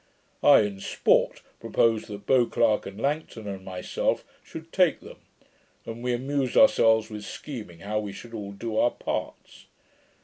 I, in sport, proposed that Beauclerk and Langton, and myself should take them; and we amused ourselves with scheming how we should all do our parts.